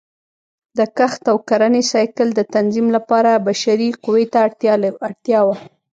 د کښت او کرنې سایکل د تنظیم لپاره بشري قوې ته اړتیا وه